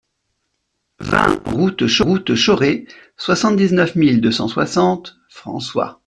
vingt route de Chauray, soixante-dix-neuf mille deux cent soixante François